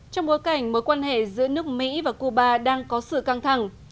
trong bối cảnh mối quan hệ giữa nước mỹ và cuba đang có sự căng thẳng